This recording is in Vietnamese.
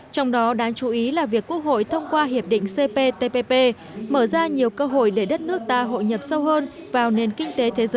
trong đó đáng chú ý là việc quốc hội thông qua hiệp định cptpp mở ra nhiều cơ hội để đất nước ta hội nhập sâu hơn vào nền kinh tế thế giới